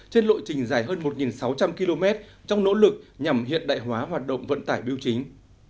trên lộ trình dài hơn một sáu trăm linh km trong nỗ lực nhằm hiện đại hóa hoạt động vận tải biêu chính